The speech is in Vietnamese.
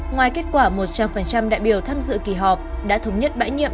ngoài kết quả một trăm linh đại biểu tham dự kỳ họp đã thống nhất bãi nhiệm